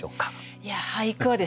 いや俳句はですね